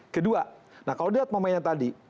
kedua nah kalau dilihat momennya tadi